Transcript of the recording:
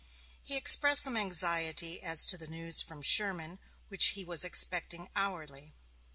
He expressed some anxiety as to the news from Sherman which he was expecting hourly.